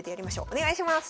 お願いします。